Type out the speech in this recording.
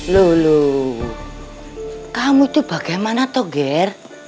luluh kamu itu bagaimana togir